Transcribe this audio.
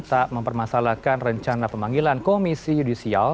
tak mempermasalahkan rencana pemanggilan komisi yudisial